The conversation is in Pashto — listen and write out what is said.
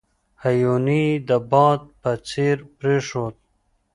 هیوني یې د باد په څېر پرېښود.